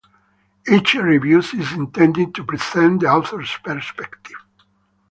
Each review is intended to present the author's perspective.